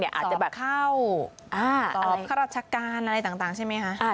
สอบเข้าสอบข้ารัชการอะไรต่างใช่ไหมคะ